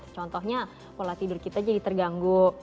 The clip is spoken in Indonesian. contohnya pola tidur kita jadi terganggu